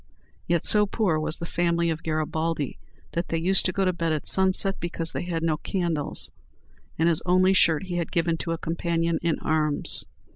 Yet so poor was the family of Garibaldi, that they used to go to bed at sunset because they had no candles; and his only shirt he had given to a companion in arms.